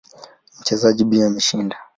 Mchezaji B ameshinda.